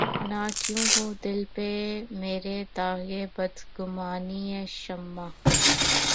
نہ کیوں ہو دل پہ مرے داغِ بدگمانیِ شمع